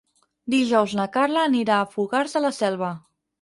Dijous na Carla anirà a Fogars de la Selva.